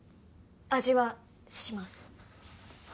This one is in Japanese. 味はします